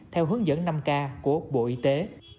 theo hướng dẫn năm k của bộ y tế